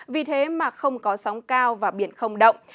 vì thế mà không có sóng cao và biển không động